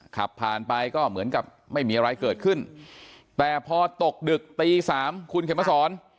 ขับผ่านไปก็เหมือนกับไม่มีอะไรเกิดขึ้นแต่พอตกดึกตีสามคุณเข็มมาสอน